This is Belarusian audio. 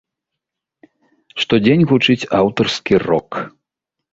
Штодзень гучыць аўтарскі рок.